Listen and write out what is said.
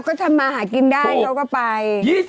ก็ทำมากินได้แล้วก็ไป